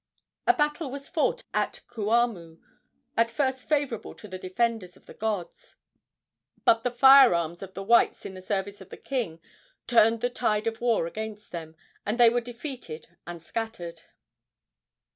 A battle was fought at Kuamoo, at first favorable to the defenders of the gods; but the fire arms of the whites in the service of the king turned the tide of war against them, and they were defeated and scattered.